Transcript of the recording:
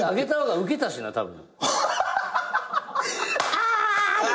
あ！って。